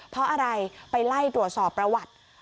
เพราะอะไรไปไล่ตรวจสอบประวัติ